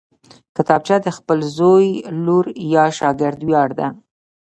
کتابچه د خپل زوی، لور یا شاګرد ویاړ ده